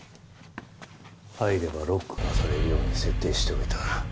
入ればロックがされるように設定しておいた。